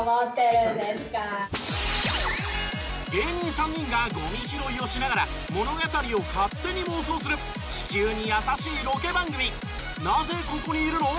芸人３人がごみ拾いをしながら物語を勝手に妄想する地球に優しいロケ番組。